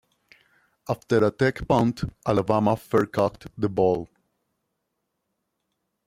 After a Tech punt, Alabama fair-caught the ball.